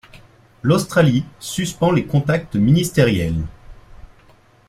L'Australie suspend les contacts ministériels.